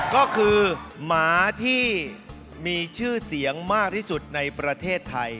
ก็คือหมาที่มีชื่อเสียงมากที่สุดในประเทศไทย